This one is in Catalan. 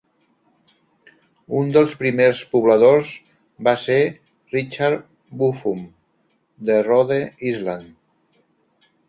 Un dels primers pobladors va ser Richard Buffum, de Rhode Island.